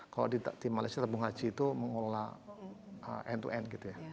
kalau di malaysia tabung haji itu mengelola end to end gitu ya